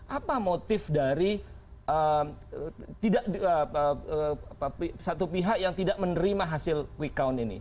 apa motif dari satu pihak yang tidak menerima hasil quick count ini